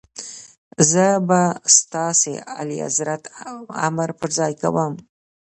زه به ستاسي اعلیحضرت امر پر ځای کوم.